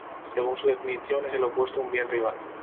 Según su definición, es el opuesto a un bien rival.